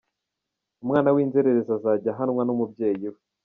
Umwana w’inzererezi azajya ahananwa n’umubyeyi we